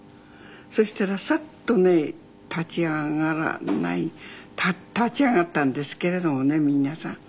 そしたらサッとね立ち上がらない立ち上がったんですけれどもね皆さん。